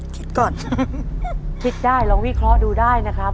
คิดก่อนคิดได้ลองวิเคราะห์ดูได้นะครับ